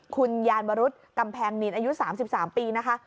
คุณยานวรุฑตำแพงนินอายุสามสิบสามปีนะคะ